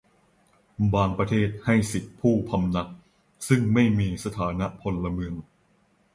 บางประเทศให้สิทธิผู้พำนัก ซึ่งไม่มีสถานะพลเมือง